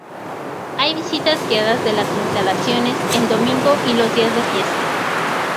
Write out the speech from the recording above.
Hay visitas guiadas de las instalaciones el domingo y los días de fiesta.